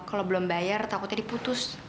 kalau belum bayar takutnya diputus